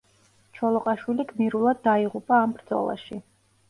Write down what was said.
ჩოლოყაშვილი გმირულად დაიღუპა ამ ბრძოლაში.